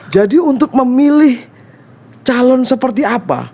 jadi untuk memilih calon seperti apa